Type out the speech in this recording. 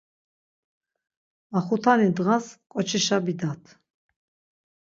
Maxutani ndğas ǩoçişa bidat.